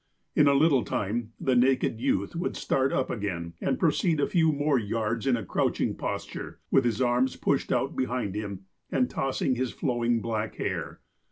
In a little time, the naked youth would start up again and proceed a few more yards in a crouching posture, with his arms pushed out behind him, and tossing his flowing black hair.